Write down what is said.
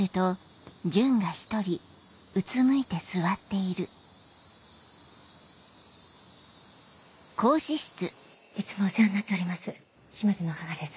いつもお世話になっております